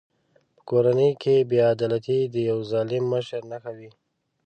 په کورنۍ کې بې عدالتي د یوه ظالم مشر نښه وي.